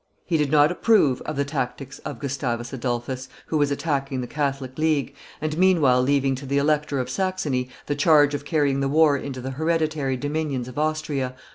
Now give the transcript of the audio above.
He did not approve of the tactics of Gustavus Adolphus, who was attacking the Catholic League, and meanwhile leaving to the Elector of Saxony the charge of carrying the war into the hereditary dominions of Austria.